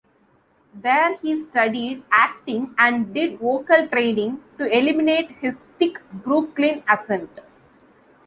There he studied acting and did vocal training to eliminate his thick Brooklyn accent.